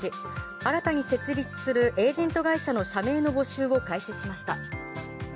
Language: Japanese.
新たに設立するエージェント会社の社名の募集を開始しました。